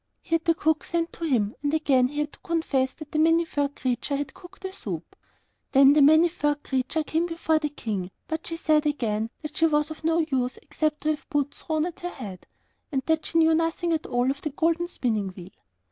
He had the cook sent to him, and again he had to confess that the Many furred Creature had cooked the soup. Then the Many furred Creature came before the King, but she said again that she was of no use except to have boots thrown at her head, and that she knew nothing at all of the golden spinning wheel.